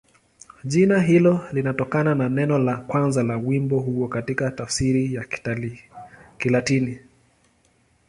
Jina hilo linatokana na neno la kwanza la wimbo huo katika tafsiri ya Kilatini.